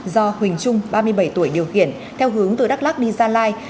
do huỳnh trung ba mươi bảy tuổi điều khiển theo hướng từ đắk lắc đi gia lai